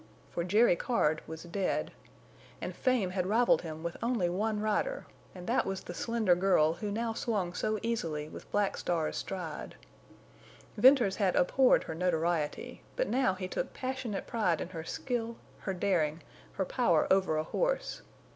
For Jerry Card was dead. And fame had rivaled him with only one rider, and that was the slender girl who now swung so easily with Black Star's stride. Venters had abhorred her notoriety, but now he took passionate pride in her skill, her daring, her power over a horse.